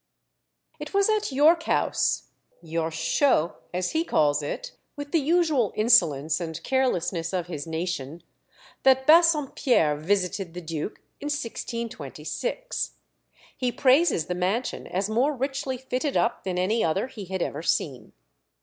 It was at York House "Yorschaux," as he calls it, with the usual insolence and carelessness of his nation that Bassompierre visited the duke in 1626. He praises the mansion as more richly fitted up than any other he had ever seen.